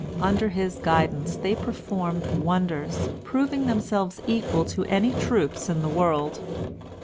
Under his guidance, they performed wonders, proving themselves equal to any troops in the world.